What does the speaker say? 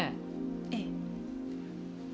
ええ。